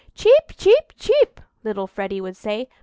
"Cheep, cheep, cheep!" little Freddy would say.